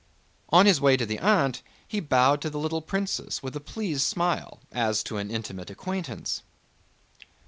On his way to the aunt he bowed to the little princess with a pleased smile, as to an intimate acquaintance.